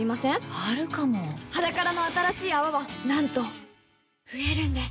あるかも「ｈａｄａｋａｒａ」の新しい泡はなんと増えるんです